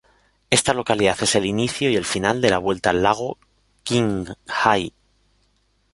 Esta localidad es el inicio y el final de la Vuelta al Lago Qinghai.